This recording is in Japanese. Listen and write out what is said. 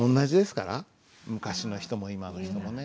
昔の人も今の人もね。